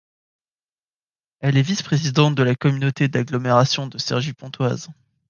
Elle est vice-présidente de la Communauté d'Agglomération de Cergy-Pontoise.